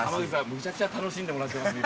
むちゃくちゃ楽しんでもらってます